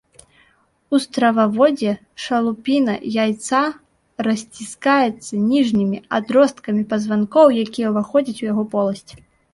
У страваводзе шалупіна яйца расціскаецца ніжнімі адросткамі пазванкоў, якія ўваходзяць у яго поласць.